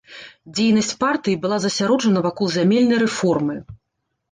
Дзейнасць партыі была засяроджана вакол зямельнай рэформы.